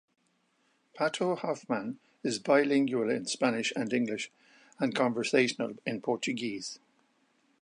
Pato Hoffmann is bilingual in Spanish and English, and conversational in Portuguese.